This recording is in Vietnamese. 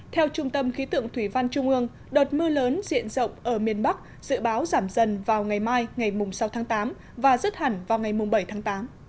theo trung tâm khí tượng thủy văn trung ương đợt mưa lớn diện rộng ở miền bắc dự báo giảm dần vào ngày mai ngày sáu tháng tám và rớt hẳn vào ngày bảy tháng tám